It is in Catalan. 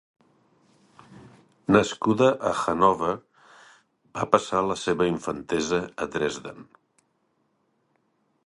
Nascuda a Hannover, va passar la seva infantesa a Dresden.